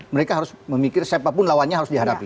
mereka harus memikir siapapun lawannya harus dihadapi